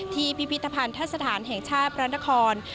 ที่พิพิธภัณฑ์ท่าสถานแห่งชาติประณฑคร